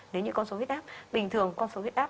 nếu như con số huyết áp bình thường con số huyết áp